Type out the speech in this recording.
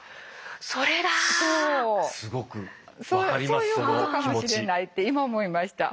そういうことかもしれないって今思いました。